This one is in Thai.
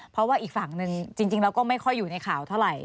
เพราะว่าอีกฝั่งหนึ่งจริงแล้วก็ไม่ค่อยอยู่ในข่าวเท่าไหร่